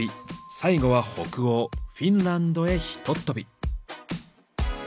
最後は北欧フィンランドへひとっ飛び。